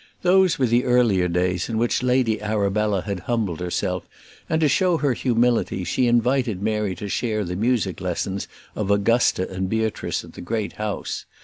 Those were the earlier days in which Lady Arabella had humbled herself, and to show her humility she invited Mary to share the music lessons of Augusta and Beatrice at the great house.